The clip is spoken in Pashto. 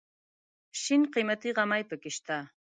شین قیمتي غمی پکې شته.